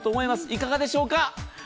いかがでしょうか。